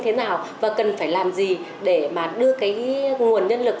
thế nào và cần phải làm gì để mà đưa cái nguồn nhân lực